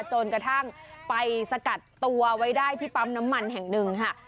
จนกระทั่งไปสกัดตัวไว้ได้ที่ปั๊มน้ำมันแห่งหนึ่งค่ะ